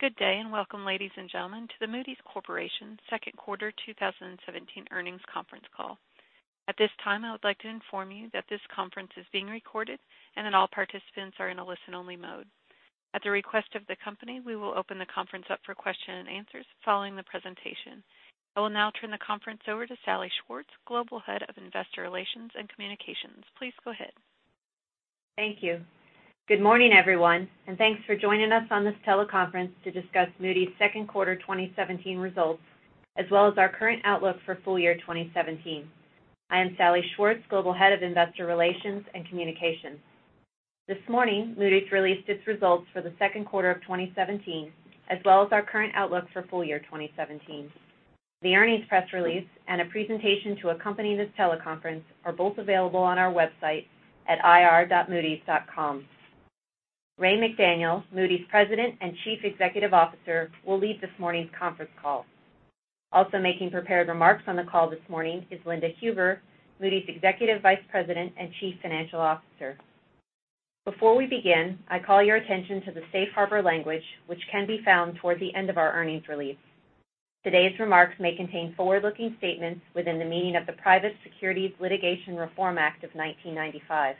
Good day, and welcome, ladies and gentlemen, to the Moody's Corporation second quarter 2017 earnings conference call. At this time, I would like to inform you that this conference is being recorded and that all participants are in a listen-only mode. At the request of the company, we will open the conference up for question and answers following the presentation. I will now turn the conference over to Salli Schwartz, Global Head of Investor Relations and Communications. Please go ahead. Thank you. Good morning, everyone, and thanks for joining us on this teleconference to discuss Moody's second quarter 2017 results, as well as our current outlook for full year 2017. I am Salli Schwartz, Global Head of Investor Relations and Communications. This morning, Moody's released its results for the second quarter of 2017, as well as our current outlook for full year 2017. The earnings press release and a presentation to accompany this teleconference are both available on our website at ir.moodys.com. Ray McDaniel, Moody's President and Chief Executive Officer, will lead this morning's conference call. Also making prepared remarks on the call this morning is Linda Huber, Moody's Executive Vice President and Chief Financial Officer. Before we begin, I call your attention to the safe harbor language, which can be found toward the end of our earnings release. Today's remarks may contain forward-looking statements within the meaning of the Private Securities Litigation Reform Act of 1995.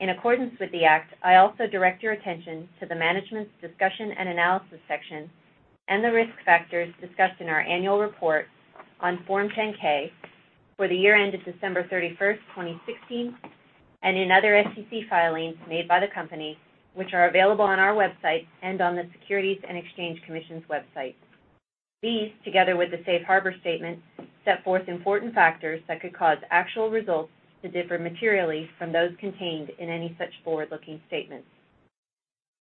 In accordance with the act, I also direct your attention to the Management's Discussion and Analysis section and the risk factors discussed in our annual report on Form 10-K for the year end of December 31st, 2016, and in other SEC filings made by the company, which are available on our website and on the Securities and Exchange Commission's website. These, together with the safe harbor statement, set forth important factors that could cause actual results to differ materially from those contained in any such forward-looking statements.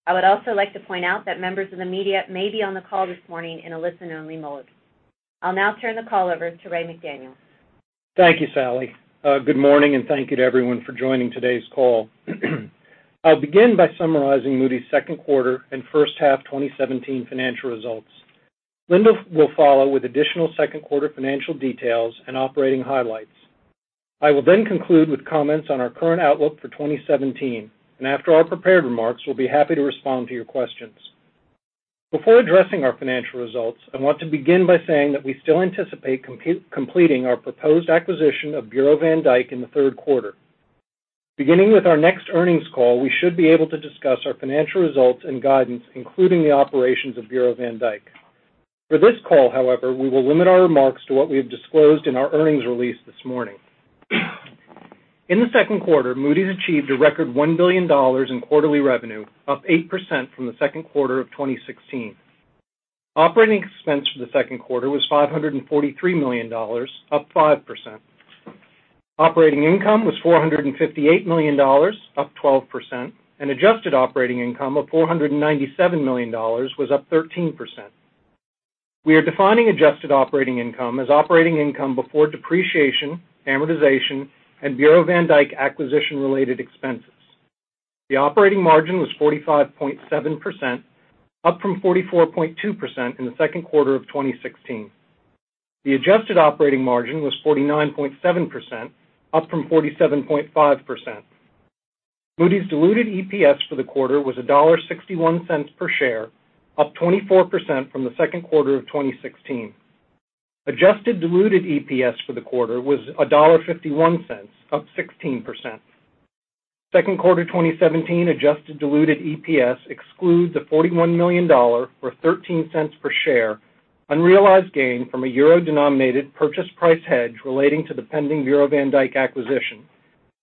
I would also like to point out that members of the media may be on the call this morning in a listen only mode. I'll now turn the call over to Ray McDaniel. Thank you, Salli. Good morning, and thank you to everyone for joining today's call. I'll begin by summarizing Moody's second quarter and first half 2017 financial results. Linda will follow with additional second quarter financial details and operating highlights. I will then conclude with comments on our current outlook for 2017, and after our prepared remarks, we'll be happy to respond to your questions. Before addressing our financial results, I want to begin by saying that we still anticipate completing our proposed acquisition of Bureau van Dijk in the third quarter. Beginning with our next earnings call, we should be able to discuss our financial results and guidance, including the operations of Bureau van Dijk. For this call, however, we will limit our remarks to what we have disclosed in our earnings release this morning. In the second quarter, Moody's achieved a record $1 billion in quarterly revenue, up 8% from the second quarter of 2016. Operating expense for the second quarter was $543 million, up 5%. Operating income was $458 million, up 12%, and adjusted operating income of $497 million was up 13%. We are defining adjusted operating income as operating income before depreciation, amortization, and Bureau van Dijk acquisition-related expenses. The operating margin was 45.7%, up from 44.2% in the second quarter of 2016. The adjusted operating margin was 49.7%, up from 47.5%. Moody's diluted EPS for the quarter was $1.61 per share, up 24% from the second quarter of 2016. Adjusted diluted EPS for the quarter was $1.51, up 16%. Second quarter 2017 adjusted diluted EPS excludes a $41 million, or $0.13 per share, unrealized gain from a euro-denominated purchase price hedge relating to the pending Bureau van Dijk acquisition,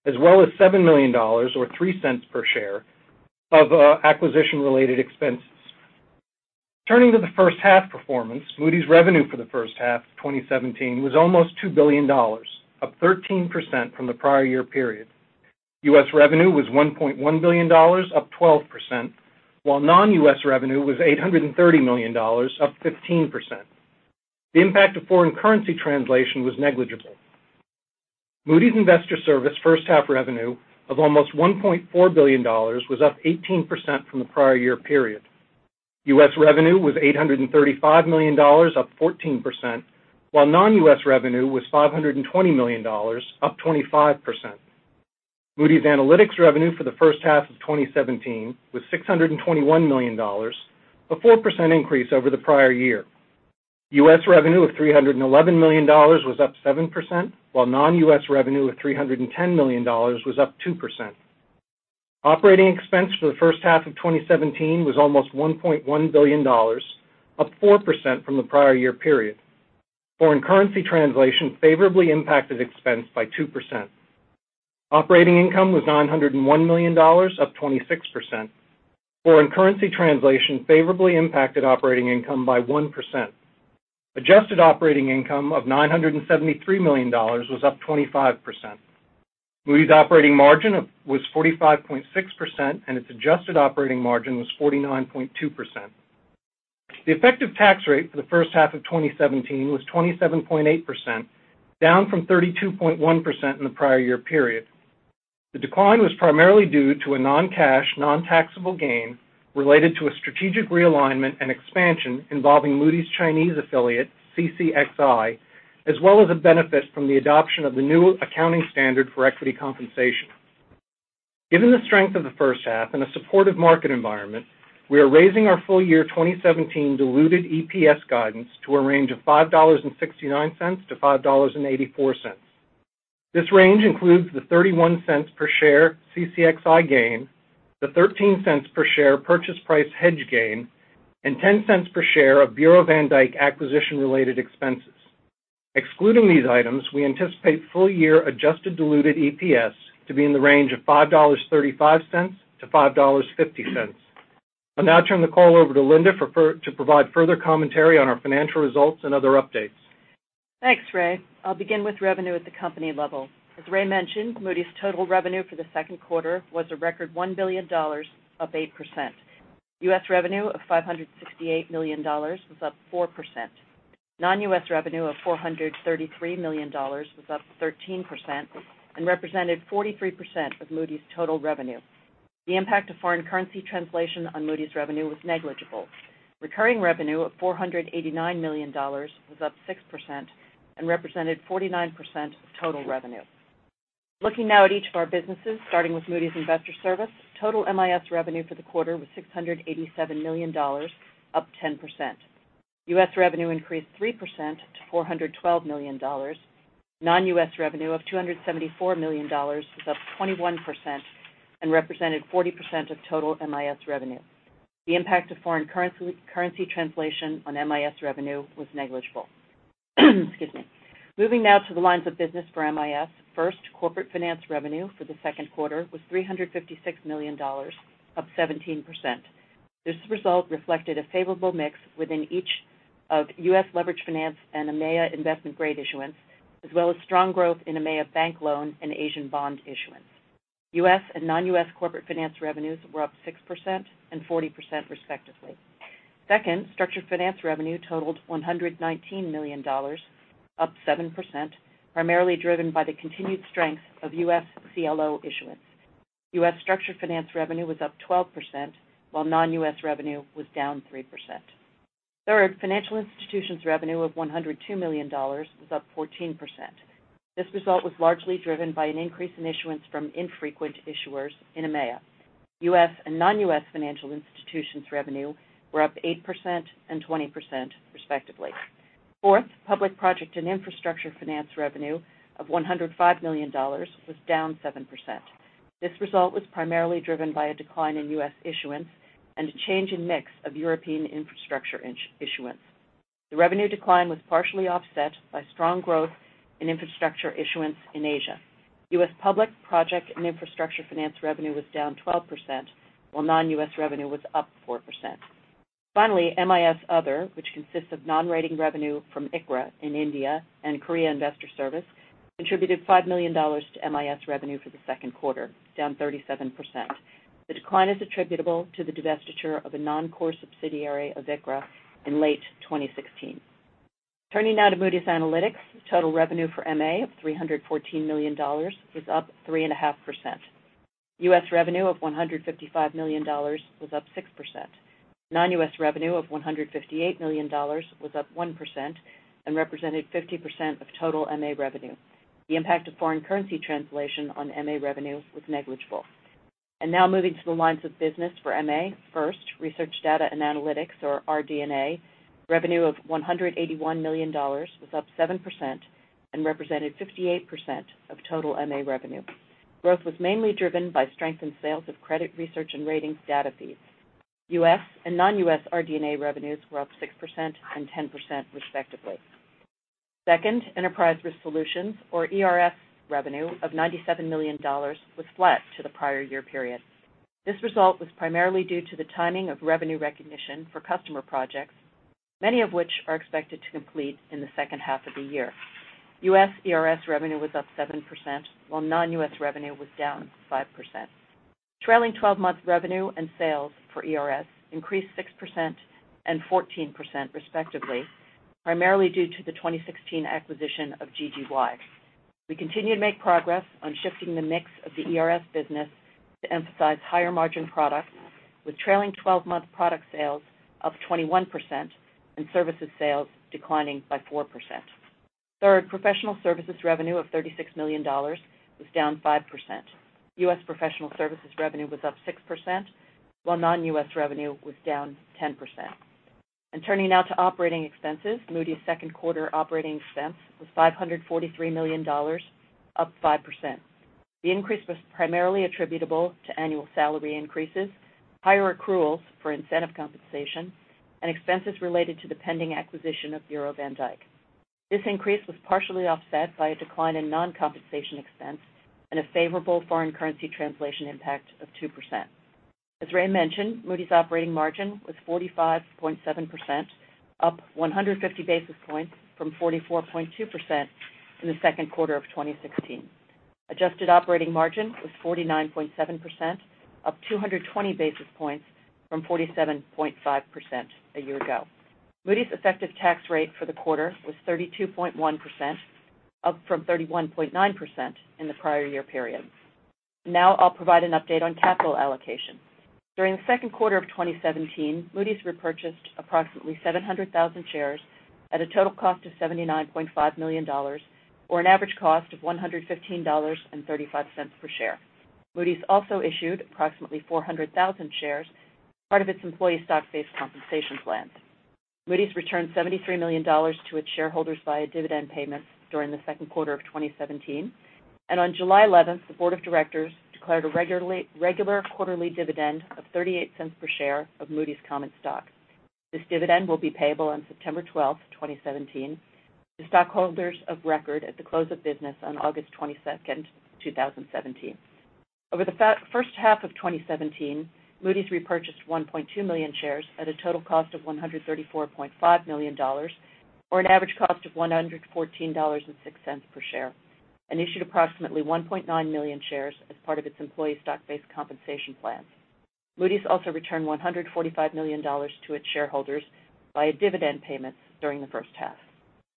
as well as $7 million, or $0.03 per share, of acquisition-related expenses. Turning to the first half performance, Moody's revenue for the first half of 2017 was almost $2 billion, up 13% from the prior year period. U.S. revenue was $1.1 billion, up 12%, while non-U.S. revenue was $830 million, up 15%. The impact of foreign currency translation was negligible. Moody's Investors Service first half revenue of almost $1.4 billion was up 18% from the prior year period. U.S. revenue was $835 million, up 14%, while non-U.S. revenue was $520 million, up 25%. Moody's Analytics revenue for the first half of 2017 was $621 million, a 4% increase over the prior year. U.S. revenue of $311 million was up 7%, while non-U.S. revenue of $310 million was up 2%. Operating expense for the first half of 2017 was almost $1.1 billion, up 4% from the prior year period. Foreign currency translation favorably impacted expense by 2%. Operating income was $901 million, up 26%. Foreign currency translation favorably impacted operating income by 1%. Adjusted operating income of $973 million was up 25%. Moody's operating margin was 45.6%, and its adjusted operating margin was 49.2%. The effective tax rate for the first half of 2017 was 27.8%, down from 32.1% in the prior year period. The decline was primarily due to a non-cash, non-taxable gain related to a strategic realignment and expansion involving Moody's Chinese affiliate, CCXI, as well as a benefit from the adoption of the new accounting standard for equity compensation Given the strength of the first half and a supportive market environment, we are raising our full year 2017 diluted EPS guidance to a range of $5.69 to $5.84. This range includes the $0.31 per share CCXI gain, the $0.13 per share purchase price hedge gain, and $0.10 per share of Bureau van Dijk acquisition-related expenses. Excluding these items, we anticipate full-year adjusted diluted EPS to be in the range of $5.35 to $5.50. I'll now turn the call over to Linda to provide further commentary on our financial results and other updates. Thanks, Ray. I'll begin with revenue at the company level. As Ray mentioned, Moody's total revenue for the second quarter was a record $1 billion, up 8%. U.S. revenue of $568 million was up 4%. Non-U.S. revenue of $433 million was up 13% and represented 43% of Moody's total revenue. The impact of foreign currency translation on Moody's revenue was negligible. Recurring revenue of $489 million was up 6% and represented 49% of total revenue. Looking now at each of our businesses, starting with Moody's Investors Service, total MIS revenue for the quarter was $687 million, up 10%. U.S. revenue increased 3% to $412 million. Non-U.S. revenue of $274 million was up 21% and represented 40% of total MIS revenue. The impact of foreign currency translation on MIS revenue was negligible. Excuse me. Moving now to the lines of business for MIS. First, corporate finance revenue for the second quarter was $356 million, up 17%. This result reflected a favorable mix within each of U.S. leverage finance and EMEA investment grade issuance, as well as strong growth in EMEA bank loan and Asian bond issuance. U.S. and non-U.S. corporate finance revenues were up 6% and 40% respectively. Second, structured finance revenue totaled $119 million, up 7%, primarily driven by the continued strength of U.S. CLO issuance. U.S. structured finance revenue was up 12%, while non-U.S. revenue was down 3%. Third, financial institutions revenue of $102 million was up 14%. This result was largely driven by an increase in issuance from infrequent issuers in EMEA. U.S. and non-U.S. financial institutions revenue were up 8% and 20% respectively. Fourth, public project and infrastructure finance revenue of $105 million was down 7%. This result was primarily driven by a decline in U.S. issuance and a change in mix of European infrastructure issuance. The revenue decline was partially offset by strong growth in infrastructure issuance in Asia. U.S. public project and infrastructure finance revenue was down 12%, while non-U.S. revenue was up 4%. Finally, MIS other, which consists of non-rating revenue from ICRA in India and Korea Investors Service, contributed $5 million to MIS revenue for the second quarter, down 37%. The decline is attributable to the divestiture of a non-core subsidiary of ICRA in late 2016. Turning now to Moody's Analytics. Total revenue for MA of $314 million was up 3.5%. U.S. revenue of $155 million was up 6%. Non-U.S. revenue of $158 million was up 1% and represented 50% of total MA revenue. The impact of foreign currency translation on MA revenue was negligible. Now moving to the lines of business for MA. First, Research, Data and Analytics or RD&A revenue of $181 million was up 7% and represented 58% of total MA revenue. Growth was mainly driven by strength in sales of credit research and ratings data feeds. U.S. and non-U.S. RD&A revenues were up 6% and 10% respectively. Second, Enterprise Risk Solutions, or ERS revenue of $97 million was flat to the prior year period. This result was primarily due to the timing of revenue recognition for customer projects, many of which are expected to complete in the second half of the year. U.S. ERS revenue was up 7%, while non-U.S. revenue was down 5%. Trailing 12-month revenue and sales for ERS increased 6% and 14% respectively, primarily due to the 2016 acquisition of GGY. We continue to make progress on shifting the mix of the ERS business to emphasize higher margin products with trailing 12-month product sales up 21% and services sales declining by 4%. Third, professional services revenue of $36 million was down 5%. U.S. professional services revenue was up 6%, while non-U.S. revenue was down 10%. Turning now to operating expenses. Moody's second quarter operating expense was $543 million, up 5%. The increase was primarily attributable to annual salary increases, higher accruals for incentive compensation, and expenses related to the pending acquisition of Bureau van Dijk. This increase was partially offset by a decline in non-compensation expense and a favorable foreign currency translation impact of 2%. As Ray mentioned, Moody's operating margin was 45.7%, up 150 basis points from 44.2% in the second quarter of 2016. Adjusted operating margin was 49.7%, up 220 basis points from 47.5% a year ago. Moody's effective tax rate for the quarter was 32.1%, up from 31.9% in the prior year period. Now I'll provide an update on capital allocation. During the second quarter of 2017, Moody's repurchased approximately 700,000 shares at a total cost of $79.5 million, or an average cost of $115.35 per share. Moody's also issued approximately 400,000 shares, part of its employee stock-based compensation plans. Moody's returned $73 million to its shareholders via dividend payments during the second quarter of 2017. On July 11th, the board of directors declared a regular quarterly dividend of $0.38 per share of Moody's common stock. This dividend will be payable on September 12th, 2017 to stockholders of record at the close of business on August 22nd, 2017. Over the first half of 2017, Moody's repurchased 1.2 million shares at a total cost of $134.5 million, or an average cost of $114.06 per share, and issued approximately 1.9 million shares as part of its employee stock-based compensation plan. Moody's also returned $145 million to its shareholders via dividend payments during the first half.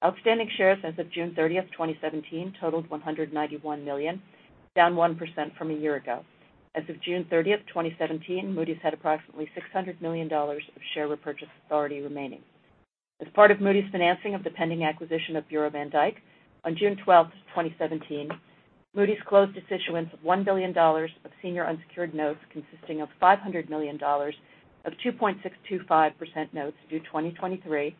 Outstanding shares as of June 30th, 2017 totaled 191 million, down 1% from a year ago. As of June 30th, 2017, Moody's had approximately $600 million of share repurchase authority remaining. As part of Moody's financing of the pending acquisition of Bureau van Dijk, on June 12th, 2017, Moody's closed its issuance of $1 billion of senior unsecured notes consisting of $500 million of 2.625% notes due 2023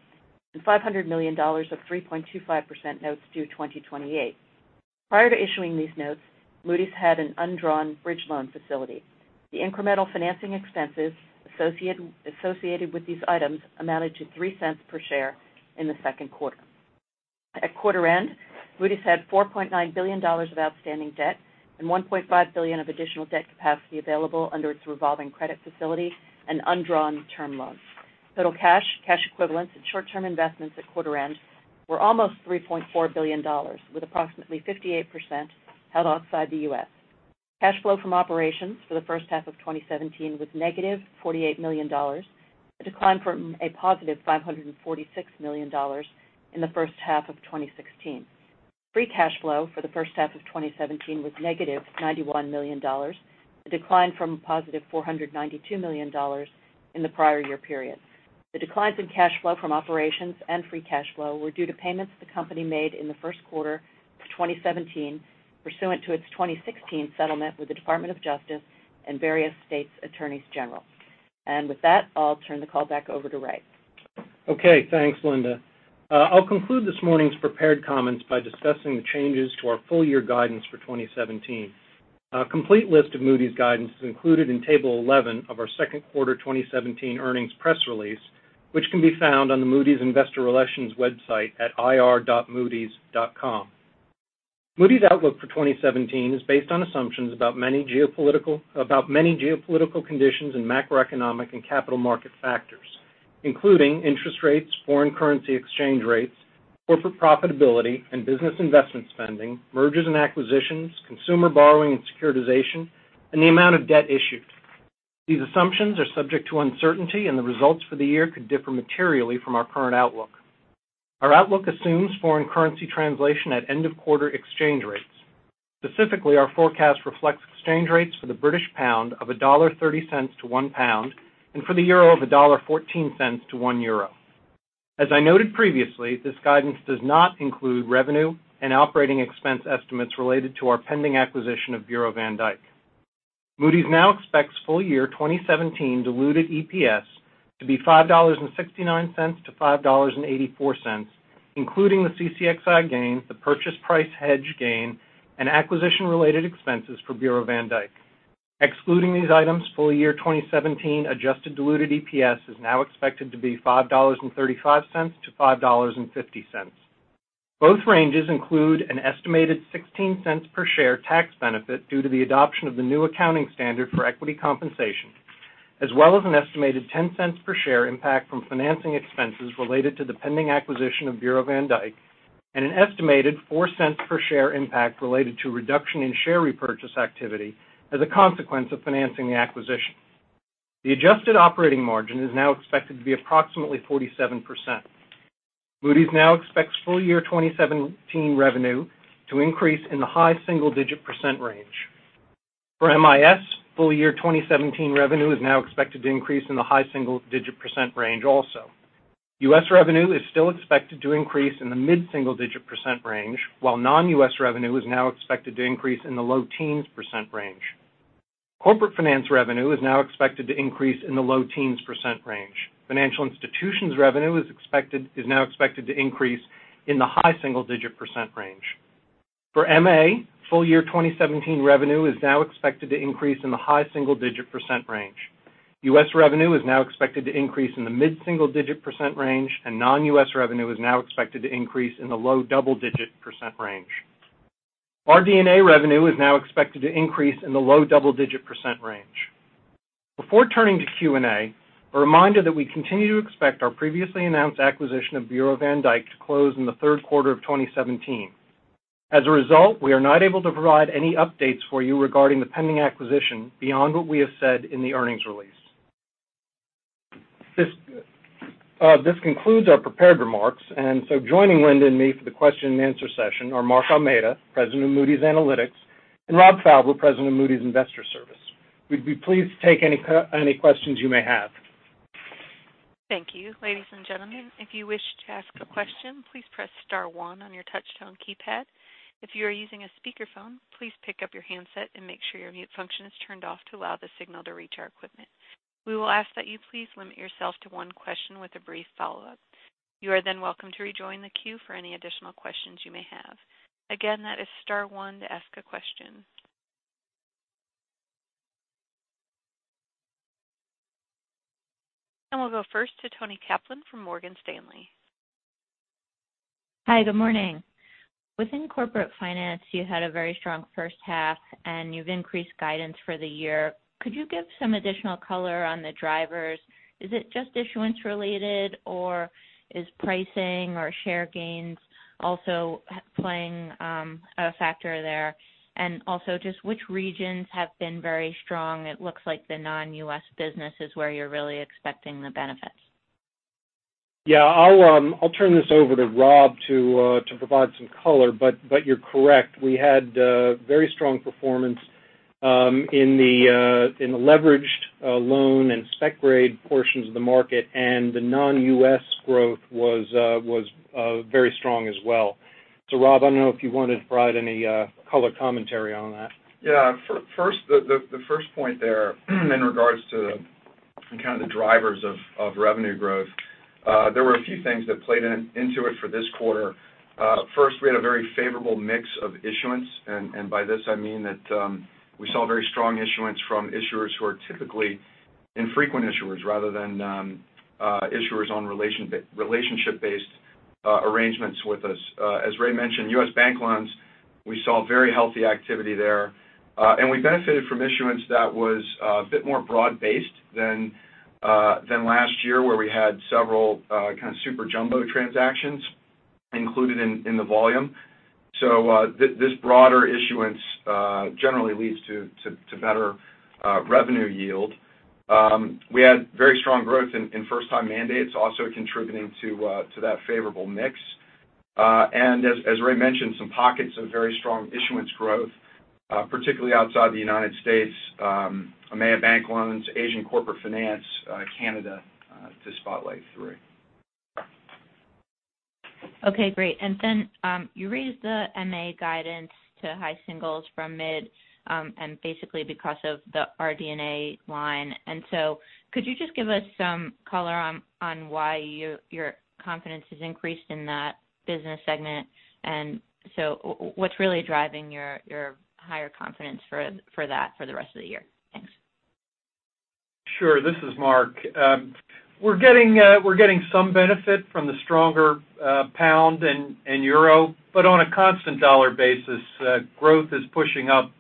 and $500 million of 3.25% notes due 2028. Prior to issuing these notes, Moody's had an undrawn bridge loan facility. The incremental financing expenses associated with these items amounted to $0.03 per share in the second quarter. At quarter end, Moody's had $4.9 billion of outstanding debt and $1.5 billion of additional debt capacity available under its revolving credit facility and undrawn term loans. Total cash equivalents, and short-term investments at quarter end were almost $3.4 billion, with approximately 58% held outside the U.S. Cash flow from operations for the first half of 2017 was negative $48 million, a decline from a positive $546 million in the first half of 2016. Free cash flow for the first half of 2017 was negative $91 million, a decline from a positive $492 million in the prior year period. The declines in cash flow from operations and free cash flow were due to payments the company made in the first quarter of 2017 pursuant to its 2016 settlement with the Department of Justice and various states' attorneys general. With that, I'll turn the call back over to Ray. Okay, thanks, Linda. I'll conclude this morning's prepared comments by discussing the changes to our full-year guidance for 2017. A complete list of Moody's guidance is included in table 11 of our second quarter 2017 earnings press release, which can be found on the Moody's Investor Relations website at ir.moodys.com. Moody's outlook for 2017 is based on assumptions about many geopolitical conditions and macroeconomic and capital market factors, including interest rates, foreign currency exchange rates, corporate profitability and business investment spending, mergers and acquisitions, consumer borrowing and securitization, and the amount of debt issued. These assumptions are subject to uncertainty, and the results for the year could differ materially from our current outlook. Our outlook assumes foreign currency translation at end of quarter exchange rates. Specifically, our forecast reflects exchange rates for the British pound of $1.30 to £1, and for the euro of $1.14 to €1. As I noted previously, this guidance does not include revenue and operating expense estimates related to our pending acquisition of Bureau van Dijk. Moody's now expects full year 2017 diluted EPS to be $5.69-$5.84, including the CCXI gains, the purchase price hedge gain, and acquisition-related expenses for Bureau van Dijk. Excluding these items, full year 2017 adjusted diluted EPS is now expected to be $5.35-$5.50. Both ranges include an estimated $0.16 per share tax benefit due to the adoption of the new accounting standard for equity compensation, as well as an estimated $0.10 per share impact from financing expenses related to the pending acquisition of Bureau van Dijk, and an estimated $0.04 per share impact related to reduction in share repurchase activity as a consequence of financing the acquisition. The adjusted operating margin is now expected to be approximately 47%. Moody's now expects full year 2017 revenue to increase in the high single-digit % range. For MIS, full year 2017 revenue is now expected to increase in the high single-digit % range also. U.S. revenue is still expected to increase in the mid single-digit % range, while non-U.S. revenue is now expected to increase in the low teens % range. Corporate finance revenue is now expected to increase in the low teens % range. Financial institutions revenue is now expected to increase in the high single-digit % range. For MA, full year 2017 revenue is now expected to increase in the high single-digit % range. U.S. revenue is now expected to increase in the mid single-digit % range, and non-U.S. revenue is now expected to increase in the low double-digit % range. RD&A revenue is now expected to increase in the low double-digit % range. Before turning to Q&A, a reminder that we continue to expect our previously announced acquisition of Bureau van Dijk to close in the third quarter of 2017. As a result, we are not able to provide any updates for you regarding the pending acquisition beyond what we have said in the earnings release. This concludes our prepared remarks. Joining Linda and me for the question and answer session are Mark Almeida, President of Moody's Analytics, and Robert Fauber, President of Moody's Investors Service. We'd be pleased to take any questions you may have. Thank you. Ladies and gentlemen, if you wish to ask a question, please press star one on your touch-tone keypad. If you are using a speakerphone, please pick up your handset and make sure your mute function is turned off to allow the signal to reach our equipment. We will ask that you please limit yourself to one question with a brief follow-up. You are then welcome to rejoin the queue for any additional questions you may have. Again, that is star one to ask a question. We'll go first to Toni Kaplan from Morgan Stanley. Hi, good morning. Within corporate finance, you had a very strong first half, and you've increased guidance for the year. Could you give some additional color on the drivers? Is it just issuance-related, or is pricing or share gains also playing a factor there? Also, just which regions have been very strong? It looks like the non-U.S. business is where you're really expecting the benefits. Yeah. I'll turn this over to Rob to provide some color. You're correct. We had very strong performance in the leveraged loan and spec-grade portions of the market, and the non-U.S. growth was very strong as well. Rob, I don't know if you want to provide any color commentary on that. Yeah. The first point there in regards to the kind of the drivers of revenue growth, there were a few things that played into it for this quarter. First, we had a very favorable mix of issuance, and by this I mean that we saw very strong issuance from issuers who are typically infrequent issuers rather than issuers on relationship-based arrangements with us. As Ray mentioned, U.S. bank loans, we saw very healthy activity there. We benefited from issuance that was a bit more broad-based than last year, where we had several kind of super jumbo transactions included in the volume. This broader issuance generally leads to better revenue yield. We had very strong growth in first-time mandates also contributing to that favorable mix. As Ray mentioned, some pockets of very strong issuance growth, particularly outside the United States, EMEA bank loans, Asian corporate finance, Canada to spotlight three. Okay, great. You raised the MA guidance to high singles from mid, basically because of the RD&A line. Could you just give us some color on why your confidence has increased in that business segment, and so what's really driving your higher confidence for that for the rest of the year? Thanks. Sure. This is Mark. We're getting some benefit from the stronger pound and euro. On a constant dollar basis, growth is pushing up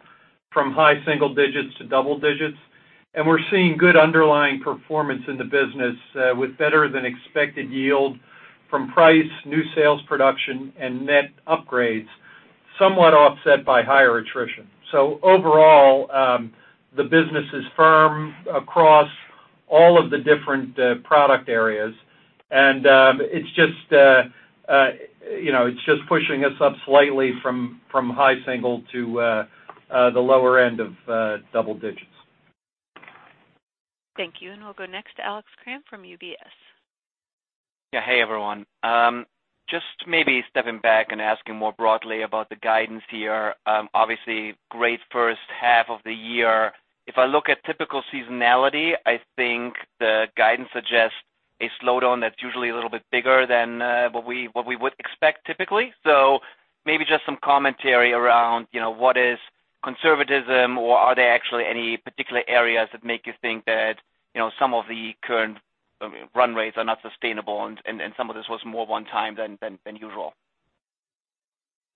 from high single digits to double digits. We're seeing good underlying performance in the business with better-than-expected yield from price, new sales production, and net upgrades somewhat offset by higher attrition. Overall, the business is firm across all of the different product areas. It's just pushing us up slightly from high single to the lower end of double digits. Thank you. We'll go next to Alex Kramm from UBS. Yeah. Hey, everyone. Just maybe stepping back and asking more broadly about the guidance here. Obviously, great first half of the year. If I look at typical seasonality, I think the guidance suggests a slowdown that's usually a little bit bigger than what we would expect typically. Maybe just some commentary around what is conservatism, or are there actually any particular areas that make you think that some of the current run rates are not sustainable, and some of this was more one-time than usual?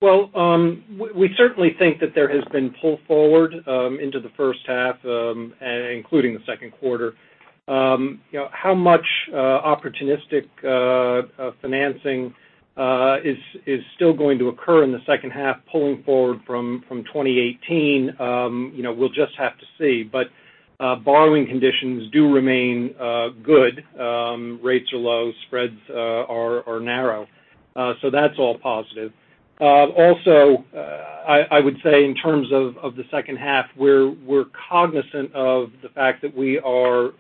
Well, we certainly think that there has been pull-forward into the first half, including the second quarter. How much opportunistic financing is still going to occur in the second half pulling forward from 2018? We'll just have to see. Borrowing conditions do remain good. Rates are low, spreads are narrow. That's all positive. Also, I would say in terms of the second half, we're cognizant of the fact that we are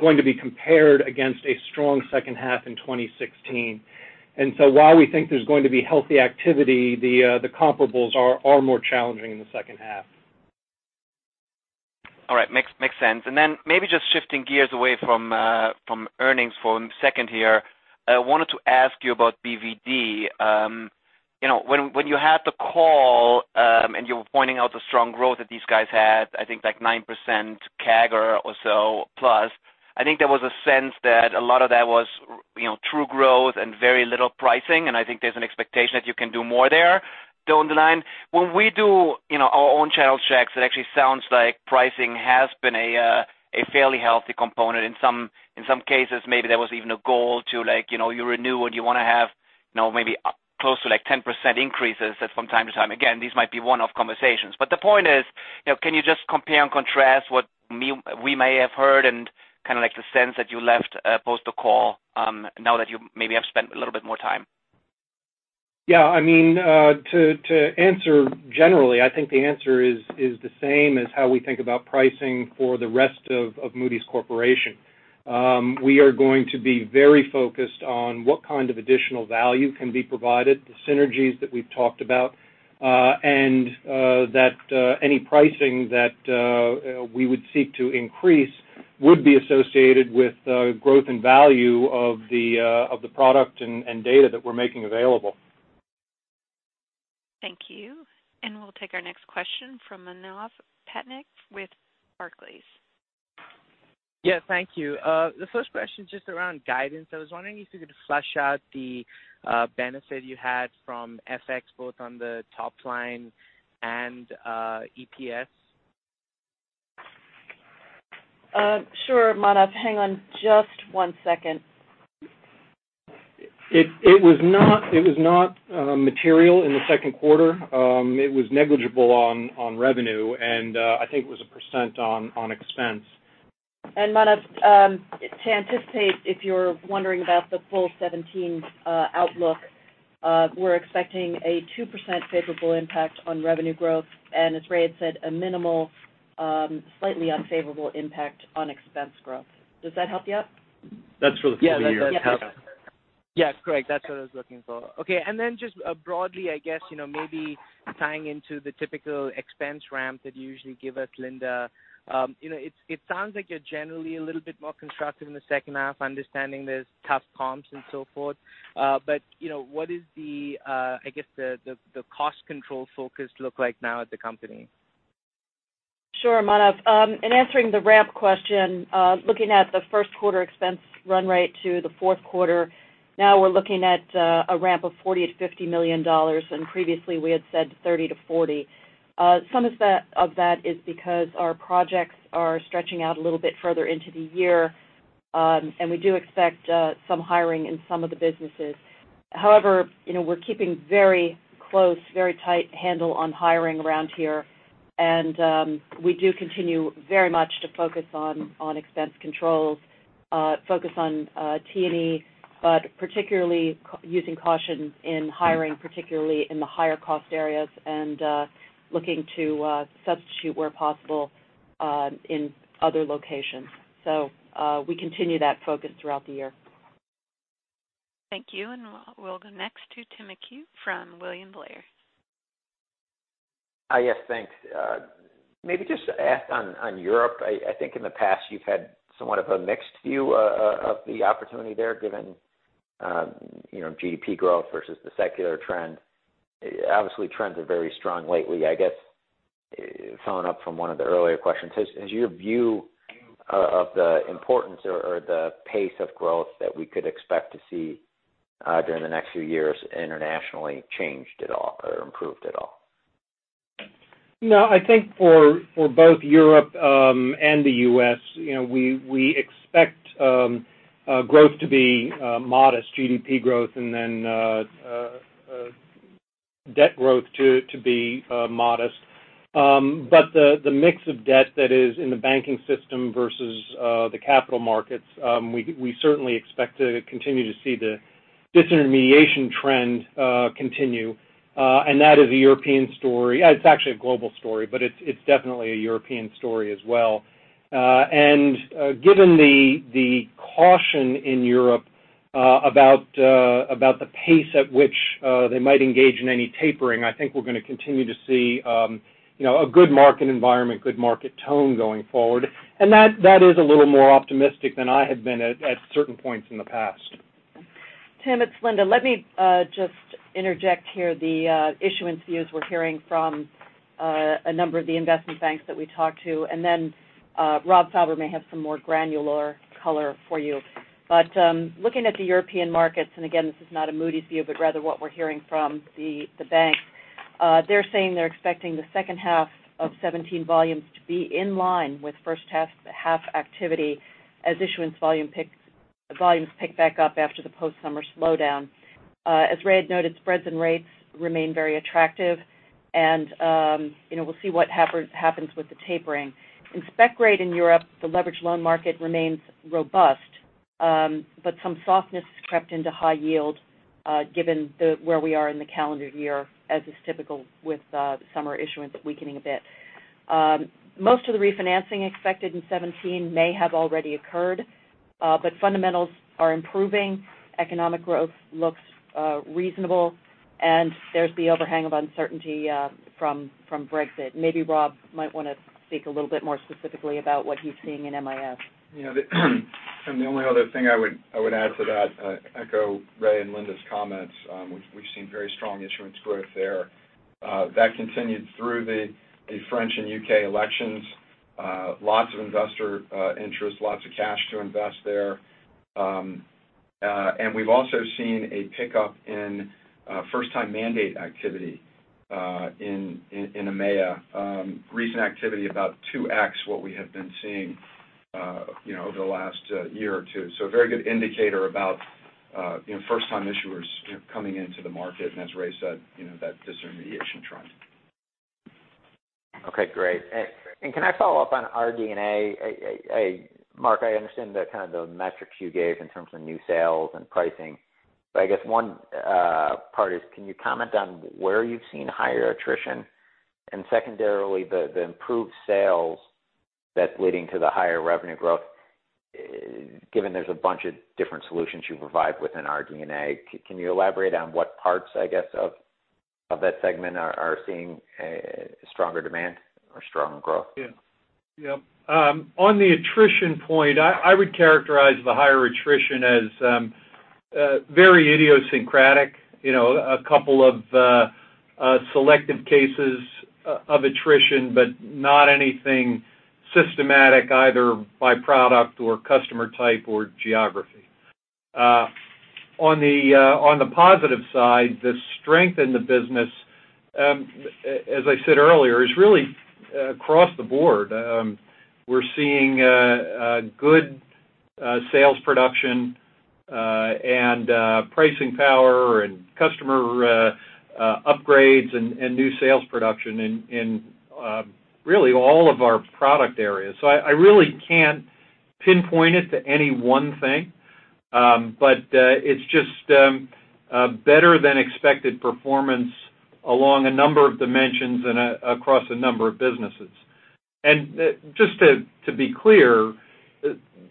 going to be compared against a strong second half in 2016. While we think there's going to be healthy activity, the comparables are more challenging in the second half. All right. Makes sense. Maybe just shifting gears away from earnings for a second here. I wanted to ask you about BvD. When you had the call, and you were pointing out the strong growth that these guys had, I think like 9% CAGR or so plus, I think there was a sense that a lot of that was true growth and very little pricing, and I think there's an expectation that you can do more there down the line. When we do our own channel checks, it actually sounds like pricing has been a fairly healthy component. In some cases, maybe there was even a goal to you renew and you want to have maybe close to 10% increases from time to time. Again, these might be one-off conversations. The point is, can you just compare and contrast what we may have heard and the sense that you left post the call now that you maybe have spent a little bit more time? Yeah. To answer generally, I think the answer is the same as how we think about pricing for the rest of Moody's Corporation. We are going to be very focused on what kind of additional value can be provided, the synergies that we've talked about, and that any pricing that we would seek to increase would be associated with growth and value of the product and data that we're making available. Thank you. We'll take our next question from Manav Patnaik with Barclays. Yeah, thank you. The first question, just around guidance. I was wondering if you could flesh out the benefit you had from FX, both on the top line and EPS. Sure, Manav. Hang on just one second. It was not material in the second quarter. It was negligible on revenue, and I think it was 1% on expense. Manav, to anticipate if you're wondering about the full 2017 outlook, we're expecting a 2% favorable impact on revenue growth, and as Ray had said, a minimal, slightly unfavorable impact on expense growth. Does that help you out? That's for the full year. Yeah. That's great. That's what I was looking for. Okay. Just broadly, I guess, maybe tying into the typical expense ramp that you usually give us, Linda. It sounds like you're generally a little bit more constructive in the second half, understanding there's tough comps and so forth. What is the cost control focus look like now at the company? Sure, Manav. In answering the ramp question, looking at the first quarter expense run rate to the fourth quarter, now we're looking at a ramp of $40 million-$50 million, and previously we had said $30 million-$40 million. Some of that is because our projects are stretching out a little bit further into the year, and we do expect some hiring in some of the businesses. However, we're keeping very close, very tight handle on hiring around here, and we do continue very much to focus on expense controls, focus on T&E, but particularly using caution in hiring, particularly in the higher cost areas and looking to substitute where possible in other locations. We continue that focus throughout the year. Thank you. We'll go next to Tim McHugh from William Blair. Yes. Thanks. Maybe just to ask on Europe. I think in the past you've had somewhat of a mixed view of the opportunity there given GDP growth versus the secular trend. Obviously, trends are very strong lately. I guess following up from one of the earlier questions, has your view of the importance or the pace of growth that we could expect to see during the next few years internationally changed at all or improved at all? No, I think for both Europe and the U.S., we expect growth to be modest, GDP growth, then debt growth to be modest. The mix of debt that is in the banking system versus the capital markets, we certainly expect to continue to see the disintermediation trend continue. That is a European story. It's actually a global story, but it's definitely a European story as well. Given the caution in Europe about the pace at which they might engage in any tapering, I think we're going to continue to see a good market environment, good market tone going forward. That is a little more optimistic than I had been at certain points in the past. Timothy, it's Linda. Let me just interject here the issuance views we're hearing from a number of the investment banks that we talk to, then Rob Fauber may have some more granular color for you. Looking at the European markets, and again, this is not a Moody's view, but rather what we're hearing from the banks. They're saying they're expecting the second half of 2017 volumes to be in line with first half activity as issuance volumes pick back up after the post-summer slowdown. As Raymond had noted, spreads and rates remain very attractive, and we'll see what happens with the tapering. In spec grade in Europe, the leverage loan market remains robust. Some softness has crept into high yield given where we are in the calendar year, as is typical with summer issuance weakening a bit. Most of the refinancing expected in 2017 may have already occurred, but fundamentals are improving. Economic growth looks reasonable, and there's the overhang of uncertainty from Brexit. Maybe Rob might want to speak a little bit more specifically about what he's seeing in MIS. The only other thing I would add to that, echo Raymond and Linda's comments. We've seen very strong issuance growth there. That continued through the French and U.K. elections. Lots of investor interest, lots of cash to invest there. We've also seen a pickup in first-time mandate activity in EMEA. Recent activity about 2x what we have been seeing. Over the last year or two. A very good indicator about first time issuers coming into the market, and as Ray said, that disintermediation trend. Okay, great. Can I follow up on RD&A? Mark, I understand the kind of metrics you gave in terms of new sales and pricing, but I guess one part is can you comment on where you've seen higher attrition? And secondarily, the improved sales that's leading to the higher revenue growth, given there's a bunch of different solutions you provide within RD&A, can you elaborate on what parts, I guess, of that segment are seeing a stronger demand or stronger growth? Yeah. On the attrition point, I would characterize the higher attrition as very idiosyncratic. A couple of selective cases of attrition, but not anything systematic either by product or customer type or geography. On the positive side, the strength in the business, as I said earlier, is really across the board. We're seeing good sales production and pricing power and customer upgrades and new sales production in really all of our product areas. I really can't pinpoint it to any one thing. It's just better than expected performance along a number of dimensions and across a number of businesses. Just to be clear,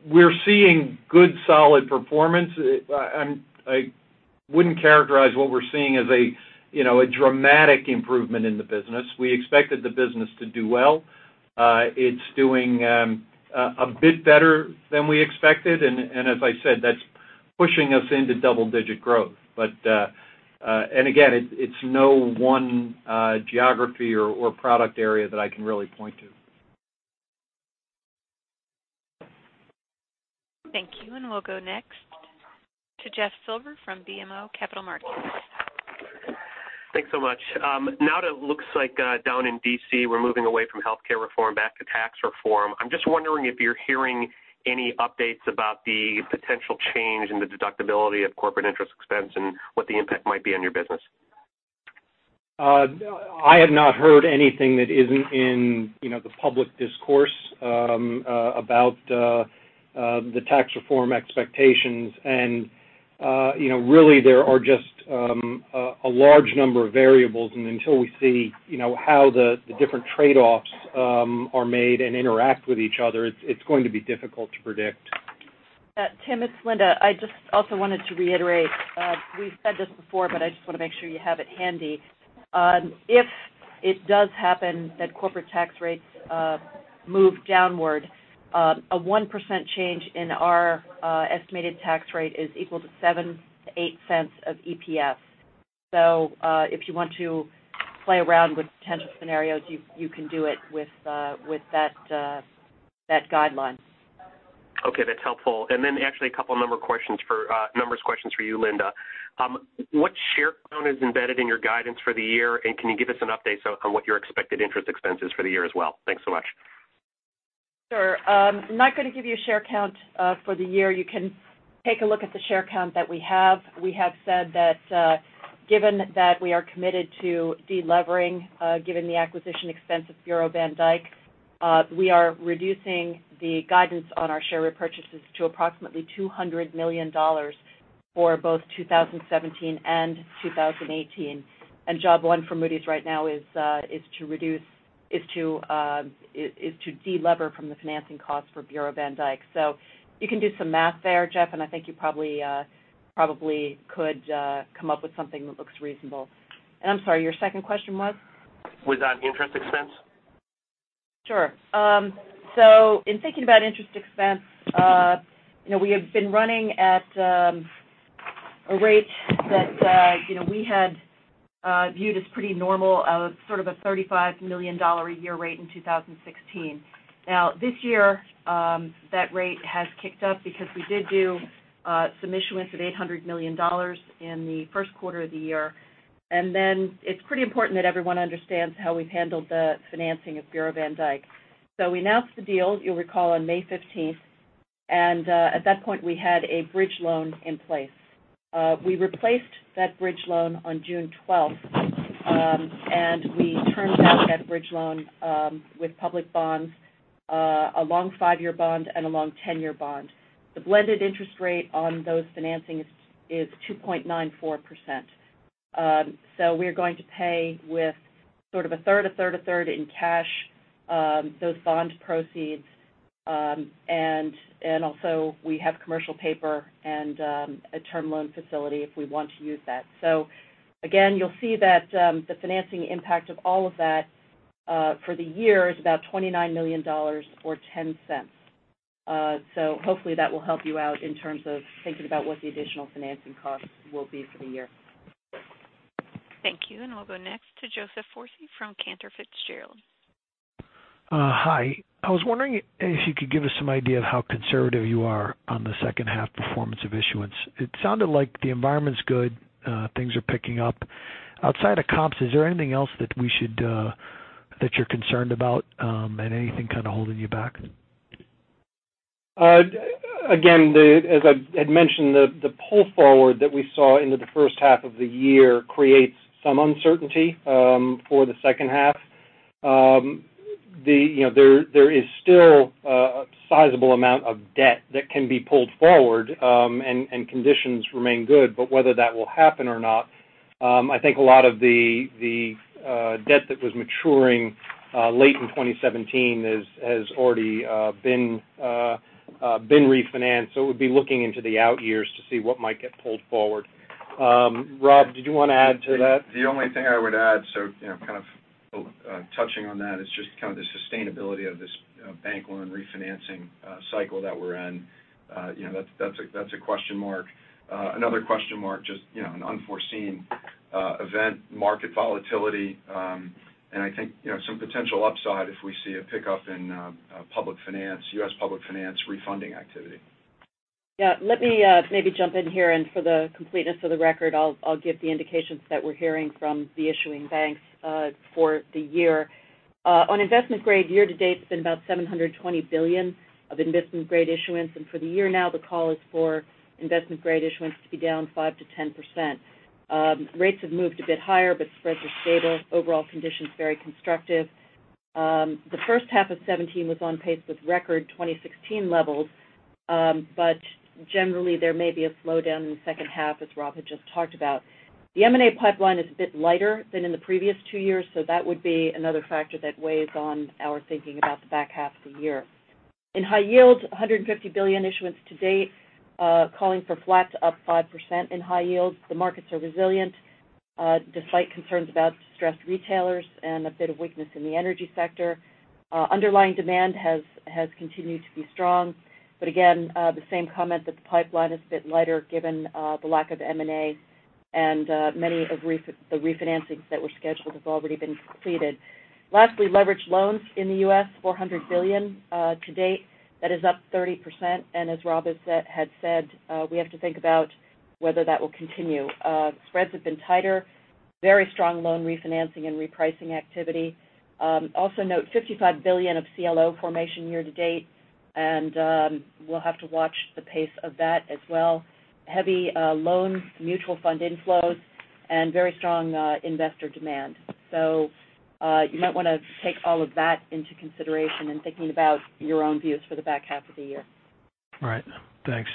we're seeing good, solid performance. I wouldn't characterize what we're seeing as a dramatic improvement in the business. We expected the business to do well. It's doing a bit better than we expected, and as I said, that's pushing us into double-digit growth. Again, it's no one geography or product area that I can really point to. Thank you. We'll go next to Jeffrey Silber from BMO Capital Markets. Thanks so much. Now that it looks like down in D.C. we're moving away from healthcare reform back to tax reform, I'm just wondering if you're hearing any updates about the potential change in the deductibility of corporate interest expense and what the impact might be on your business. I have not heard anything that isn't in the public discourse about the tax reform expectations. Really there are just a large number of variables, and until we see how the different trade-offs are made and interact with each other, it's going to be difficult to predict. Tim, it's Linda. I just also wanted to reiterate, we've said this before, but I just want to make sure you have it handy. If it does happen that corporate tax rates move downward, a 1% change in our estimated tax rate is equal to $0.07-$0.08 of EPS. If you want to play around with potential scenarios, you can do it with that guideline. Okay, that's helpful. Actually a couple numbers questions for you, Linda. What share count is embedded in your guidance for the year, and can you give us an update on what your expected interest expense is for the year as well? Thanks so much. Sure. I'm not going to give you a share count for the year. You can take a look at the share count that we have. We have said that given that we are committed to delevering given the acquisition expense of Bureau van Dijk, we are reducing the guidance on our share repurchases to approximately $200 million for both 2017 and 2018. Job one for Moody's right now is to delever from the financing cost for Bureau van Dijk. You can do some math there, Jeff, I think you probably could come up with something that looks reasonable. I'm sorry, your second question was? Was on interest expense. Sure. In thinking about interest expense, we have been running at a rate that we had viewed as pretty normal of sort of a $35 million a year rate in 2016. This year, that rate has kicked up because we did do some issuance of $800 million in the first quarter of the year. It's pretty important that everyone understands how we've handled the financing of Bureau van Dijk. We announced the deal, you'll recall, on May 15th, at that point, we had a bridge loan in place. We replaced that bridge loan on June 12th, we turned back that bridge loan with public bonds, a long five-year bond, and a long 10-year bond. The blended interest rate on those financings is 2.94%. We are going to pay with sort of a third, a third, a third in cash those bond proceeds, and also we have commercial paper and a term loan facility if we want to use that. Again, you'll see that the financing impact of all of that for the year is about $29 million or $0.10. Hopefully that will help you out in terms of thinking about what the additional financing costs will be for the year. Thank you. We'll go next to Joseph Foresi from Cantor Fitzgerald. Hi. I was wondering if you could give us some idea of how conservative you are on the second half performance of issuance. It sounded like the environment's good, things are picking up. Outside of comps, is there anything else that you're concerned about, and anything kind of holding you back? As I had mentioned, the pull forward that we saw into the first half of the year creates some uncertainty for the second half. There is still a sizable amount of debt that can be pulled forward, and conditions remain good, but whether that will happen or not, I think a lot of the debt that was maturing late in 2017 has already been refinanced. We'd be looking into the out years to see what might get pulled forward. Rob, did you want to add to that? The only thing I would add, touching on that, is the sustainability of this bank loan refinancing cycle that we're in. That's a question mark. Another question mark, an unforeseen event, market volatility. I think some potential upside if we see a pickup in U.S. public finance refunding activity. Let me maybe jump in here, for the completeness of the record, I'll give the indications that we're hearing from the issuing banks for the year. On investment grade, year to date, it's been about $720 billion of investment-grade issuance, for the year now, the call is for investment-grade issuance to be down 5%-10%. Rates have moved a bit higher, but spreads are stable. Overall conditions very constructive. The first half of 2017 was on pace with record 2016 levels. Generally, there may be a slowdown in the second half, as Rob had just talked about. The M&A pipeline is a bit lighter than in the previous two years, that would be another factor that weighs on our thinking about the back half of the year. In high yield, $150 billion issuance to date, calling for flat to up 5% in high yields. The markets are resilient, despite concerns about distressed retailers and a bit of weakness in the energy sector. Underlying demand has continued to be strong. Again, the same comment that the pipeline is a bit lighter given the lack of M&A and many of the refinancings that were scheduled have already been completed. Lastly, leveraged loans in the U.S., $400 billion to date. That is up 30%, as Rob had said, we have to think about whether that will continue. Spreads have been tighter. Very strong loan refinancing and repricing activity. Also note $55 billion of CLO formation year to date, we'll have to watch the pace of that as well. Heavy loan mutual fund inflows and very strong investor demand. You might want to take all of that into consideration when thinking about your own views for the back half of the year. Right. Thanks.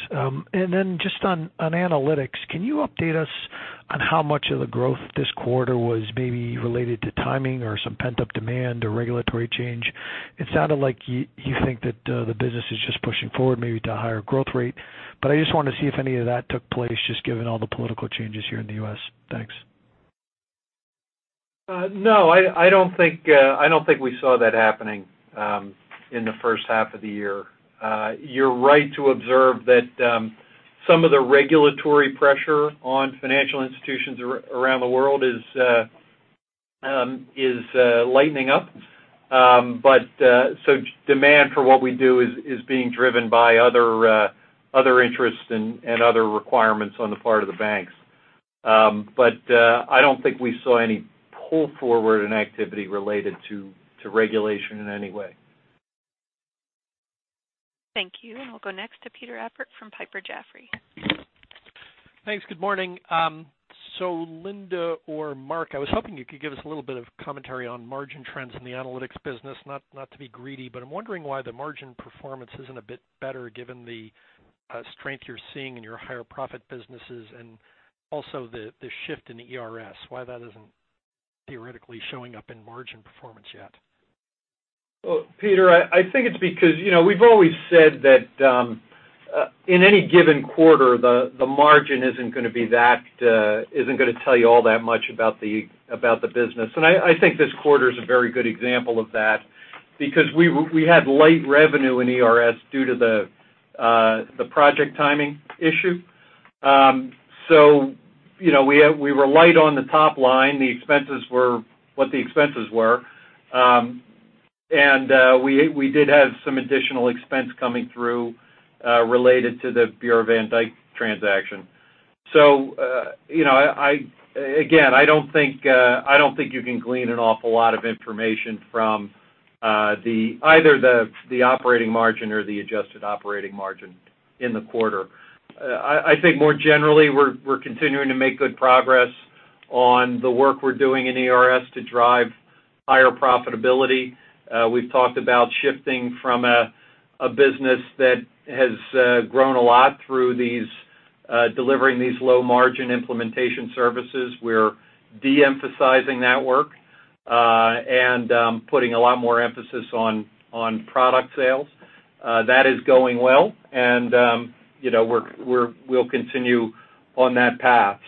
Just on analytics, can you update us on how much of the growth this quarter was maybe related to timing or some pent-up demand or regulatory change? It sounded like you think that the business is just pushing forward maybe to a higher growth rate. I just wanted to see if any of that took place, just given all the political changes here in the U.S. Thanks. No, I don't think we saw that happening in the first half of the year. You're right to observe that some of the regulatory pressure on financial institutions around the world is lightening up. Demand for what we do is being driven by other interests and other requirements on the part of the banks. I don't think we saw any pull forward in activity related to regulation in any way. Thank you. We'll go next to Peter Appert from Piper Jaffray. Thanks. Good morning. Linda or Mark, I was hoping you could give us a little bit of commentary on margin trends in the analytics business. Not to be greedy, I'm wondering why the margin performance isn't a bit better given the strength you're seeing in your higher profit businesses and also the shift in ERS, why that isn't theoretically showing up in margin performance yet. Peter, I think it's because we've always said that in any given quarter, the margin isn't going to tell you all that much about the business. I think this quarter's a very good example of that because we had light revenue in ERS due to the project timing issue. We were light on the top line. The expenses were what the expenses were. We did have some additional expense coming through related to the Bureau van Dijk transaction. Again, I don't think you can glean an awful lot of information from either the operating margin or the adjusted operating margin in the quarter. I think more generally, we're continuing to make good progress on the work we're doing in ERS to drive higher profitability. We've talked about shifting from a business that has grown a lot through delivering these low-margin implementation services. We're de-emphasizing that work and putting a lot more emphasis on product sales. That is going well, and we'll continue on that path.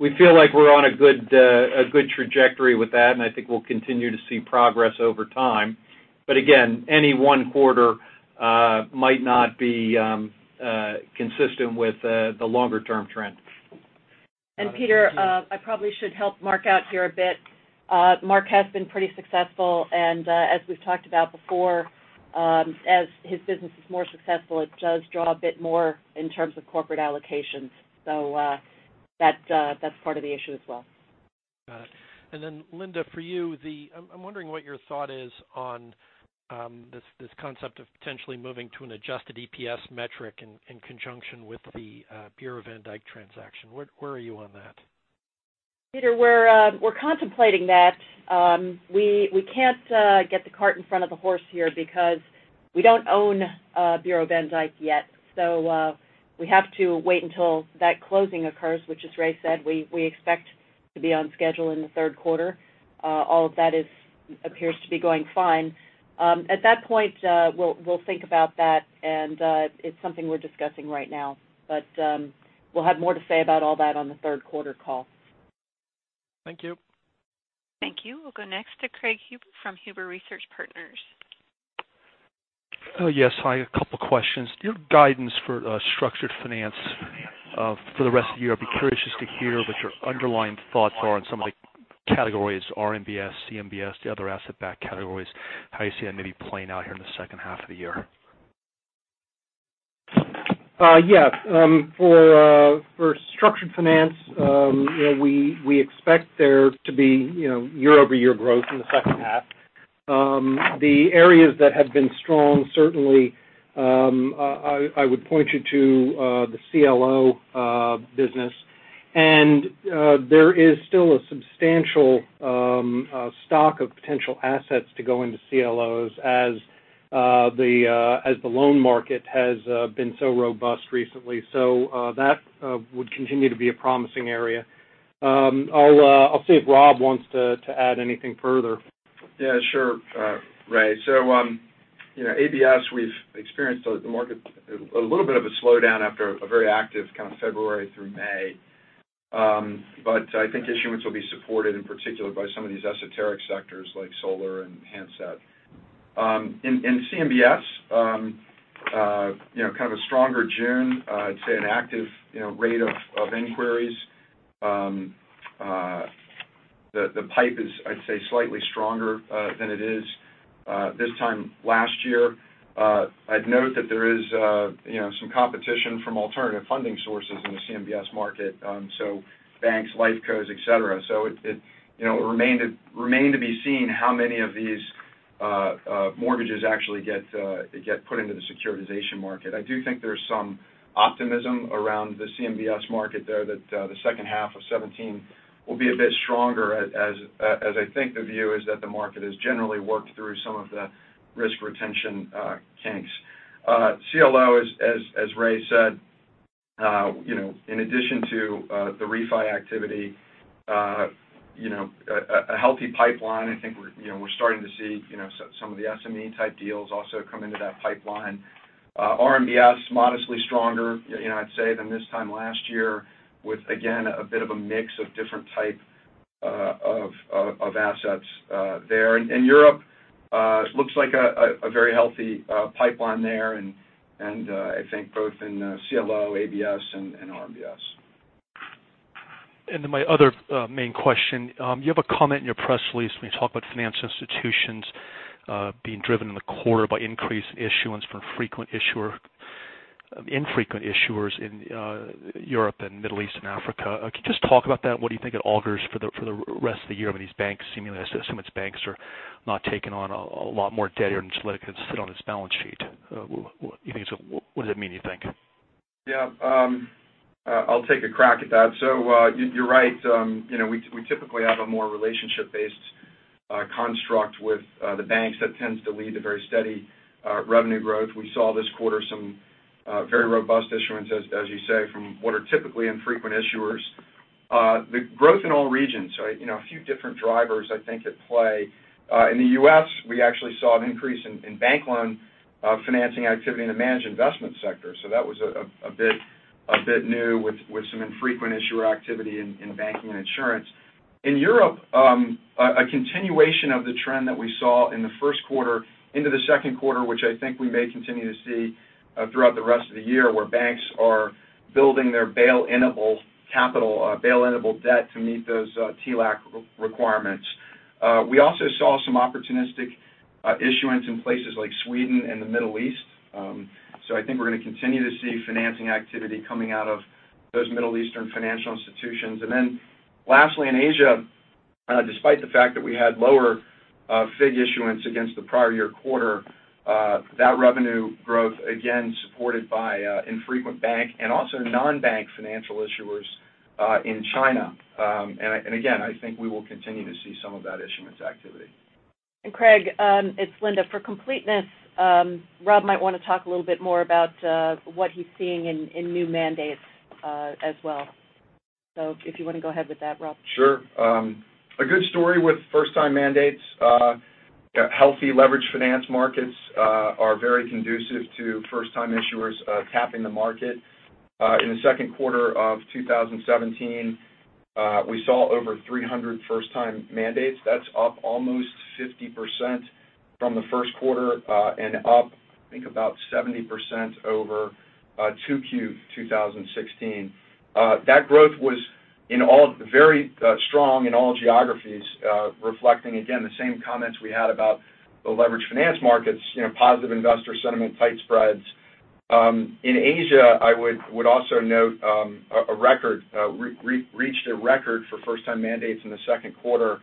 We feel like we're on a good trajectory with that, and I think we'll continue to see progress over time. Again, any one quarter might not be consistent with the longer-term trend. Peter, I probably should help Mark out here a bit. Mark has been pretty successful, and as we've talked about before, as his business is more successful, it does draw a bit more in terms of corporate allocations. That's part of the issue as well. Got it. Linda, for you, I'm wondering what your thought is on this concept of potentially moving to an adjusted EPS metric in conjunction with the Bureau van Dijk transaction. Where are you on that? Peter, we're contemplating that. We can't get the cart in front of the horse here because we don't own Bureau van Dijk yet. We have to wait until that closing occurs, which, as Ray said, we expect to be on schedule in the third quarter. All of that appears to be going fine. At that point, we'll think about that, and it's something we're discussing right now. We'll have more to say about all that on the third quarter call. Thank you. Thank you. We'll go next to Craig Huber from Huber Research Partners. Yes. Hi, a couple of questions. Your guidance for structured finance for the rest of the year, I'd be curious just to hear what your underlying thoughts are on some of the categories, RMBS, CMBS, the other asset-backed categories. How you see that maybe playing out here in the second half of the year. Yes. For structured finance, we expect there to be year-over-year growth in the second half. The areas that have been strong, certainly, I would point you to the CLO business. There is still a substantial stock of potential assets to go into CLOs as the loan market has been so robust recently. That would continue to be a promising area. I'll see if Rob wants to add anything further. Yeah, sure, Ray. ABS, we've experienced the market, a little bit of a slowdown after a very active kind of February through May. I think issuance will be supported in particular by some of these esoteric sectors like solar and handset. In CMBS, kind of a stronger June, I'd say an active rate of inquiries. The pipe is, I'd say, slightly stronger than it is this time last year. I'd note that there is some competition from alternative funding sources in the CMBS market. Banks, life cos, et cetera. It remained to be seen how many of these mortgages actually get put into the securitization market. I do think there's some optimism around the CMBS market there that the second half of 2017 will be a bit stronger as I think the view is that the market has generally worked through some of the risk retention kinks. CLO, as Ray said, in addition to the refi activity, a healthy pipeline. I think we're starting to see some of the SME type deals also come into that pipeline. RMBS, modestly stronger, I'd say, than this time last year with, again, a bit of a mix of different type of assets there. In Europe, looks like a very healthy pipeline there, I think both in CLO, ABS, and RMBS. My other main question. You have a comment in your press release when you talk about financial institutions being driven in the quarter by increased issuance from infrequent issuers in Europe and Middle East and Africa. Can you just talk about that, and what do you think it augurs for the rest of the year when these banks seemingly, I assume it's banks, are not taking on a lot more debt and just let it kind of sit on its balance sheet? What does that mean, you think? Yeah. I'll take a crack at that. You're right. We typically have a more relationship-based construct with the banks that tends to lead to very steady revenue growth. We saw this quarter some very robust issuance, as you say, from what are typically infrequent issuers. The growth in all regions. A few different drivers I think at play. In the U.S., we actually saw an increase in bank loan financing activity in the managed investment sector. That was a bit new with some infrequent issuer activity in banking and insurance. In Europe, a continuation of the trend that we saw in the first quarter into the second quarter, which I think we may continue to see throughout the rest of the year where banks are building their bail-in-able capital, bail-in-able debt to meet those TLAC requirements. We also saw some opportunistic issuance in places like Sweden and the Middle East. I think we're going to continue to see financing activity coming out of those Middle Eastern financial institutions. Lastly, in Asia, despite the fact that we had lower FIG issuance against the prior year quarter, that revenue growth, again, supported by infrequent bank and also non-bank financial issuers in China. Again, I think we will continue to see some of that issuance activity. Craig, it's Linda. For completeness, Rob might want to talk a little bit more about what he's seeing in new mandates as well. If you want to go ahead with that, Rob. Sure. A good story with first time mandates. Healthy leverage finance markets are very conducive to first time issuers tapping the market. In the second quarter of 2017, we saw over 300 first-time mandates. That's up almost 50%. From the first quarter and up, I think about 70% over 2Q 2016. That growth was very strong in all geographies, reflecting again, the same comments we had about the leveraged finance markets, positive investor sentiment, tight spreads. In Asia, I would also note, reached a record for first time mandates in the second quarter.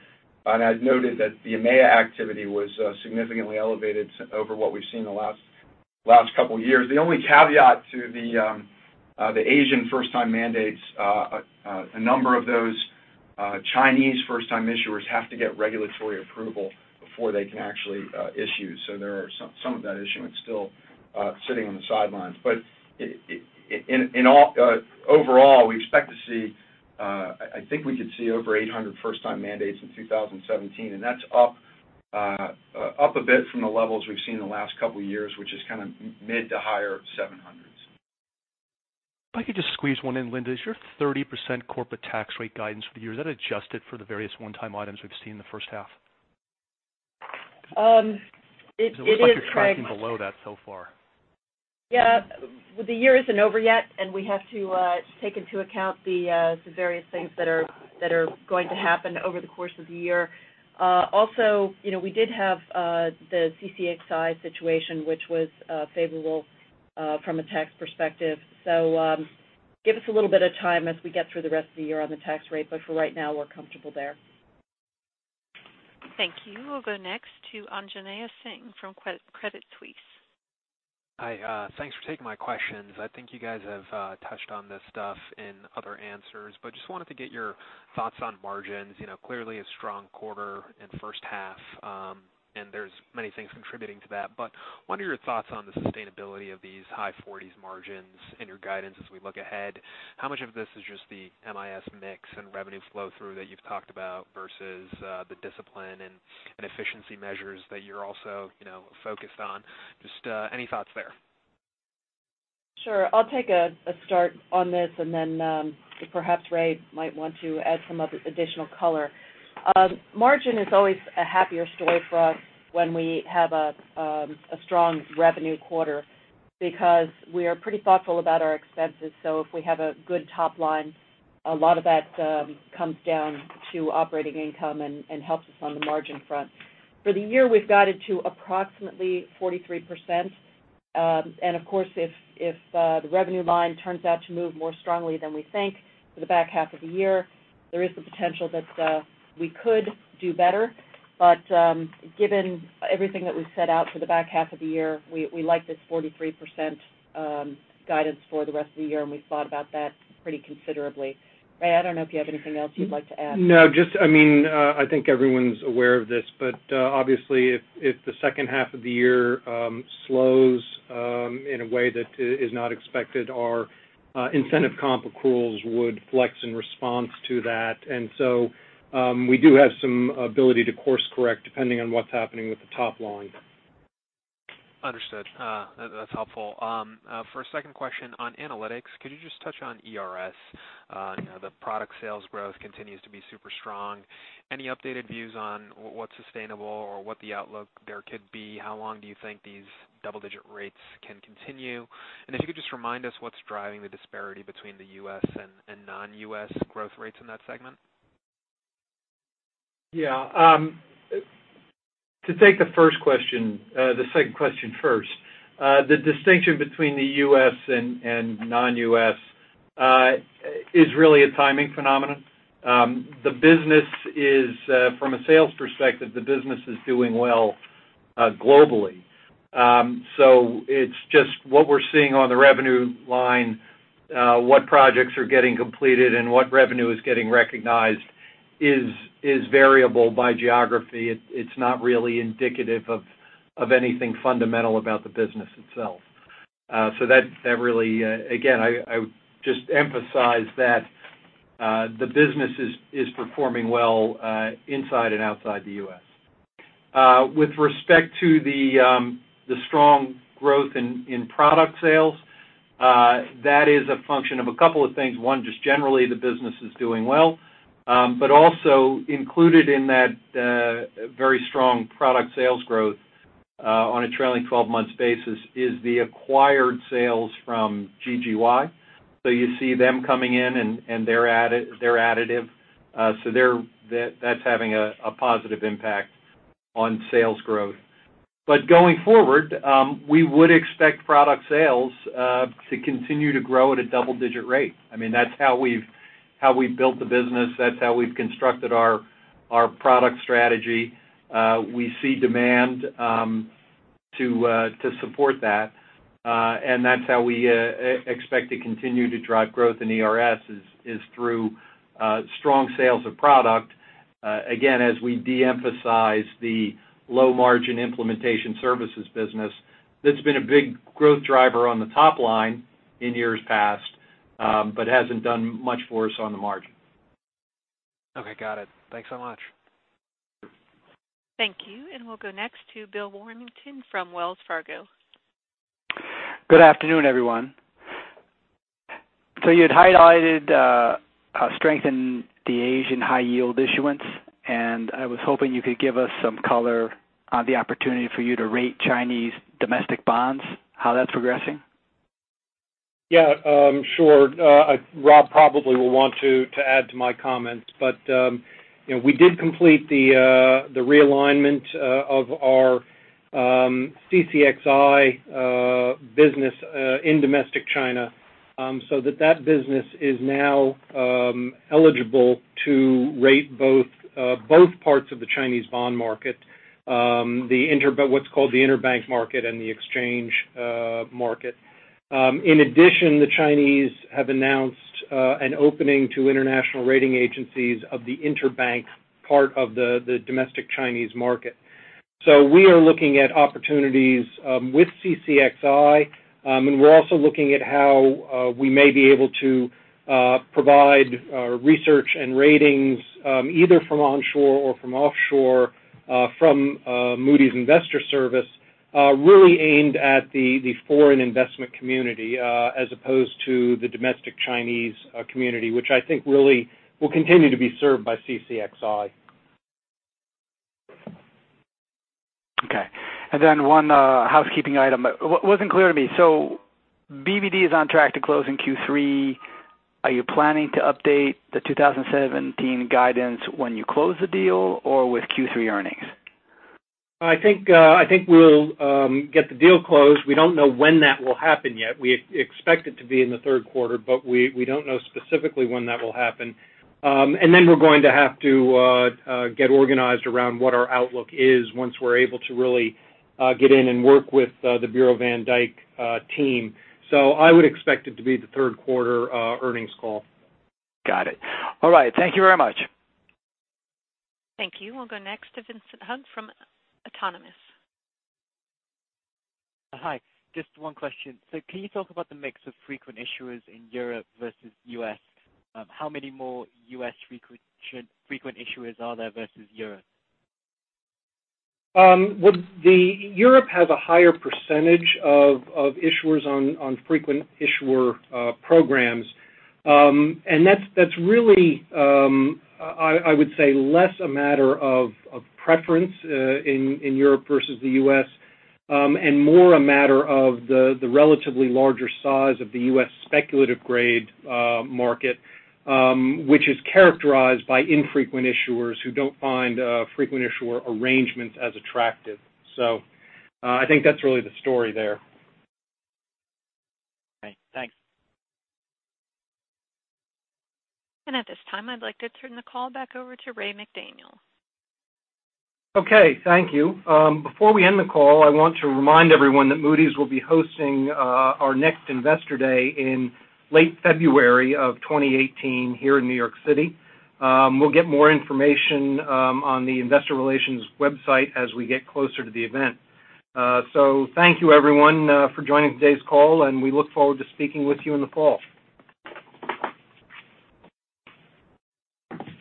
I'd noted that the EMEA activity was significantly elevated over what we've seen in the last couple of years. The only caveat to the Asian first time mandates, a number of those Chinese first time issuers have to get regulatory approval before they can actually issue. Some of that issuance still sitting on the sidelines. Overall, we could see over 800 first time mandates in 2017, and that's up a bit from the levels we've seen in the last couple of years, which is kind of mid to higher 700s. If I could just squeeze one in, Linda, is your 30% corporate tax rate guidance for the year, is that adjusted for the various one-time items we've seen in the first half? It is, Craig. It looks like you're tracking below that so far. The year isn't over yet. We have to take into account the various things that are going to happen over the course of the year. Also, we did have the CCXI situation, which was favorable from a tax perspective. Give us a little bit of time as we get through the rest of the year on the tax rate. For right now, we're comfortable there. Thank you. We'll go next to Anjaneya Singh from Credit Suisse. Hi. Thanks for taking my questions. I think you guys have touched on this stuff in other answers, but just wanted to get your thoughts on margins. Clearly a strong quarter and first half, and there's many things contributing to that. What are your thoughts on the sustainability of these high forties margins and your guidance as we look ahead? How much of this is just the MIS mix and revenue flow through that you've talked about versus the discipline and efficiency measures that you're also focused on? Just any thoughts there? Sure. I'll take a start on this. Perhaps Ray might want to add some additional color. Margin is always a happier story for us when we have a strong revenue quarter because we are pretty thoughtful about our expenses. If we have a good top line, a lot of that comes down to operating income and helps us on the margin front. For the year, we've guided to approximately 43%. Of course, if the revenue line turns out to move more strongly than we think for the back half of the year, there is the potential that we could do better. Given everything that we've set out for the back half of the year, we like this 43% guidance for the rest of the year, and we've thought about that pretty considerably. Ray, I don't know if you have anything else you'd like to add. No, I think everyone's aware of this, but obviously if the second half of the year slows in a way that is not expected, our incentive comp accruals would flex in response to that. We do have some ability to course correct depending on what's happening with the top line. Understood. That's helpful. For a second question on analytics, could you just touch on ERS? The product sales growth continues to be super strong. Any updated views on what's sustainable or what the outlook there could be? How long do you think these double-digit rates can continue? If you could just remind us what's driving the disparity between the U.S. and non-U.S. growth rates in that segment. To take the second question first. The distinction between the U.S. and non-U.S. is really a timing phenomenon. From a sales perspective, the business is doing well globally. It's just what we're seeing on the revenue line, what projects are getting completed and what revenue is getting recognized is variable by geography. It's not really indicative of anything fundamental about the business itself. Again, I would just emphasize that the business is performing well inside and outside the U.S. With respect to the strong growth in product sales, that is a function of a couple of things. One, just generally, the business is doing well. Also included in that very strong product sales growth, on a trailing 12 months basis, is the acquired sales from GGY. You see them coming in, and they're additive. That's having a positive impact on sales growth. Going forward, we would expect product sales to continue to grow at a double-digit rate. That's how we've built the business. That's how we've constructed our product strategy. We see demand to support that. That's how we expect to continue to drive growth in ERS, is through strong sales of product. Again, as we de-emphasize the low margin implementation services business, that's been a big growth driver on the top line in years past, but hasn't done much for us on the margin. Okay. Got it. Thanks so much. Thank you. We'll go next to Bill Warmington from Wells Fargo. Good afternoon, everyone. You had highlighted strength in the Asian high yield issuance, and I was hoping you could give us some color on the opportunity for you to rate Chinese domestic bonds, how that's progressing. Yeah, sure. Rob probably will want to add to my comments, but we did complete the realignment of our CCXI business in domestic China so that that business is now eligible to rate both parts of the Chinese bond market, what's called the interbank market and the exchange market. In addition, the Chinese have announced an opening to international rating agencies of the interbank part of the domestic Chinese market. We are looking at opportunities with CCXI. We're also looking at how we may be able to provide research and ratings either from onshore or from offshore from Moody's Investors Service, really aimed at the foreign investment community as opposed to the domestic Chinese community, which I think really will continue to be served by CCXI. Okay. One housekeeping item. It wasn't clear to me. BvD is on track to close in Q3. Are you planning to update the 2017 guidance when you close the deal or with Q3 earnings? I think we'll get the deal closed. We don't know when that will happen yet. We expect it to be in the third quarter, but we don't know specifically when that will happen. We're going to have to get organized around what our outlook is once we're able to really get in and work with the Bureau van Dijk team. I would expect it to be the third quarter earnings call. Got it. All right. Thank you very much. Thank you. We'll go next to Vincent Hung from Autonomous. Hi. Just one question. Can you talk about the mix of frequent issuers in Europe versus U.S.? How many more U.S. frequent issuers are there versus Europe? Europe has a higher percentage of issuers on frequent issuer programs. That's really, I would say, less a matter of preference in Europe versus the U.S. and more a matter of the relatively larger size of the U.S. speculative grade market, which is characterized by infrequent issuers who don't find frequent issuer arrangements as attractive. I think that's really the story there. Okay, thanks. At this time, I'd like to turn the call back over to Ray McDaniel. Okay, thank you. Before we end the call, I want to remind everyone that Moody's will be hosting our next Investor Day in late February of 2018 here in New York City. We'll get more information on the investor relations website as we get closer to the event. Thank you, everyone, for joining today's call, and we look forward to speaking with you in the fall.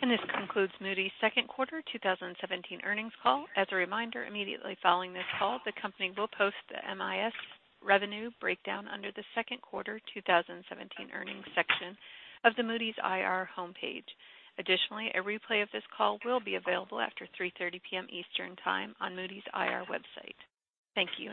This concludes Moody's second quarter 2017 earnings call. As a reminder, immediately following this call, the company will post the MIS revenue breakdown under the second quarter 2017 earnings section of the Moody's IR homepage. Additionally, a replay of this call will be available after 3:30 P.M. Eastern Time on Moody's IR website. Thank you and goodbye.